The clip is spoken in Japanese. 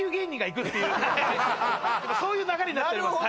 そういう流れになっております